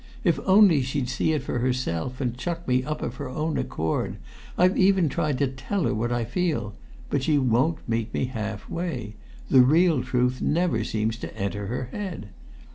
If only she'd see it for herself, and chuck me up of her own accord! I've even tried to tell her what I feel; but she won't meet me half way; the real truth never seems to enter her head.